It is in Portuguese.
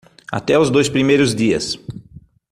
Até os dois primeiros dias